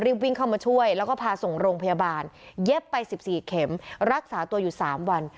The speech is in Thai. รีบวิ่งเข้ามาช่วยแล้วก็พาส่งโรงพยาบาลเย็บไป๑๔เข็มรักษาตัวอยู่๓วัน